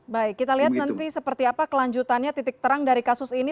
baik kita lihat nanti seperti apa kelanjutannya titik terang dari kasus ini